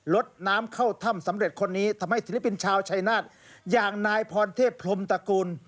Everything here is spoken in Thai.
ลดน้ำเข้าถ้ำสำเร็จคนนี้ทำให้ศิลปินชาวชายนาฏอย่างนายพรเทพพรมตระกูล